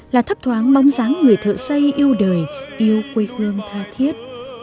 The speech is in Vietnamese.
là thấp thoáng bóng dáng người thợ xây yêu đời yêu quê hương tha thiết